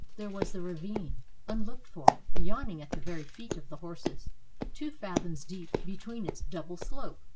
There was the ravine, un looked for, yawning at the very feet of the horses, two fathoms deep between its double slope.